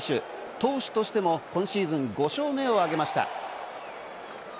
投手としても今シーズン５勝目をあげました。